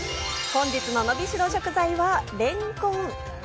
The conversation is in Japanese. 本日ののびしろ食材はれんこん。